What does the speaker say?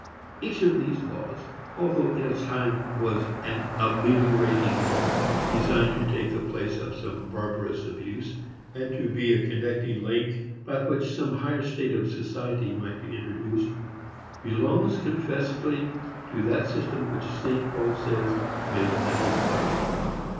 Each of these laws, although in its time it was an ameliorating law, designed to take the place of some barbarous abuse, and to be a connecting link by which some higher state of society might be introduced, belongs confessedly to that system which St. Paul says made nothing perfect.